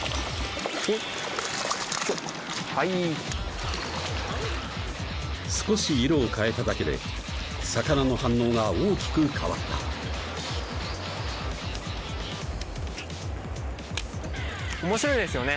はい少し色を変えただけで魚の反応が大きく変わったおもしろいですよね